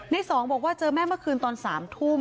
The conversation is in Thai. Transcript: สองบอกว่าเจอแม่เมื่อคืนตอน๓ทุ่ม